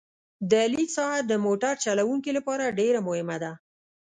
د لید ساحه د موټر چلوونکي لپاره ډېره مهمه ده